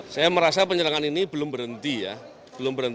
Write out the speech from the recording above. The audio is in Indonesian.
saya merasa penyerangan ini belum berhenti ya